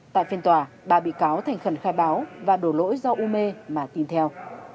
tại phiên tòa ba bị cáo thành khẩn khai báo và đổ lỗi do ume mà tin theo